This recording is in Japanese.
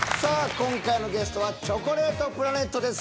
今回のゲストはチョコレートプラネットです。